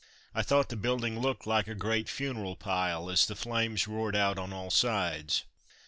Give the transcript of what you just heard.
I thought the building looked like a great funeral pile as the flames roared out on all sides.